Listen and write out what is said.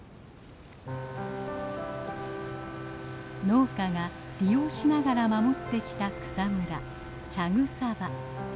農家が利用しながら守ってきた草むら茶草場。